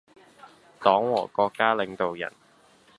黨和國家領導人